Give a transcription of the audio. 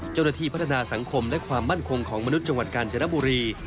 เจ้าหน้าที่พัฒนาสังคมและความมั่นคงของมนุษย์จังหวัดกาญจนบุรี